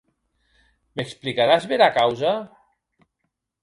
M'explicaràs bèra causa?